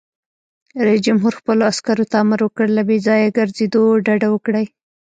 رئیس جمهور خپلو عسکرو ته امر وکړ؛ له بې ځایه ګرځېدو ډډه وکړئ!